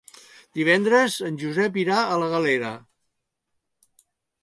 Divendres en Josep irà a la Galera.